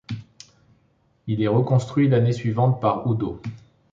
Il est reconstruit l'année suivante par Oudot.